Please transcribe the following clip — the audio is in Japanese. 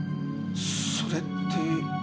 それって。